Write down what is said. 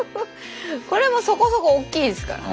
これもそこそこ大きいですからね。